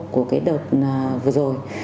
của cái đợt vừa rồi